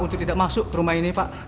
untuk tidak masuk ke rumah ini pak